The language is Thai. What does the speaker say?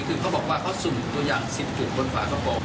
คือเขาบอกว่าเขาสุ่มตัวอย่าง๑๐จุดบนฝากระโปรง